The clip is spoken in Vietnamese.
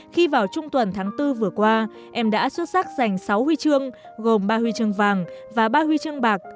khi vào trung tuần tháng bốn vừa qua em đã xuất sắc giành sáu huy chương gồm ba huy chương vàng và ba huy chương bạc